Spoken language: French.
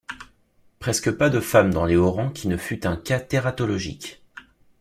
Presque pas de femme dans les hauts rangs qui ne fût un cas tératologique.